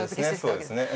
そうですね。